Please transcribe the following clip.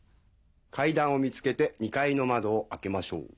階段を見つけて２階の窓を開けましょう。